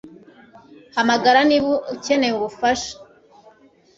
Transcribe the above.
Hamagara niba ukeneye ubufasha